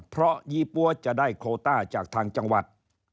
เพราะยี่ปั๊วจะได้โคต้าจากทางจังหวัด